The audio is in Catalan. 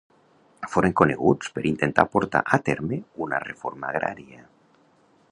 Foren coneguts per intentar portar a terme una reforma agrària.